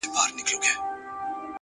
موخه لرونکی انسان نه ستړی کېږي